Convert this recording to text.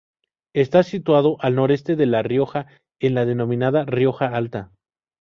Está situado al noroeste de La Rioja, en la denominada Rioja Alta.